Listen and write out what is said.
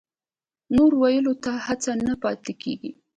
نور ويلو ته څه نه پاتې کېږي.